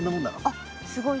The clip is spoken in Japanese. あっすごい。